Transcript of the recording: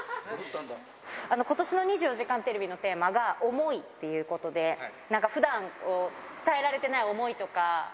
ことしの２４時間テレビのテーマが、想いっていうことで、なんかふだんこう、伝えられていない想いとか。